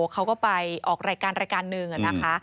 เขาก็ไปออกรายการหนึ่งนะคะ